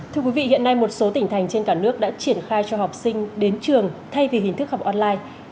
thưa quý vị hiện nay một số tỉnh thành trên cả nước đã triển khai cho học sinh đến trường thay vì hình thức học online